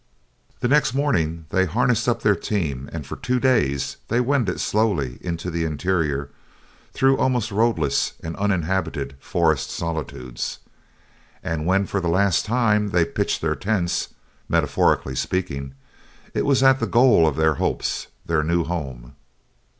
The next morning they harnessed up their team and for two days they wended slowly into the interior through almost roadless and uninhabited forest solitudes. And when for the last time they pitched their tents, metaphorically speaking, it was at the goal of their hopes, their new home.